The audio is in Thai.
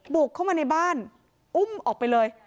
บุกเข้ามาในบ้านอุ้มออกไปเลย